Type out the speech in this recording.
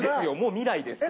未来ですよ。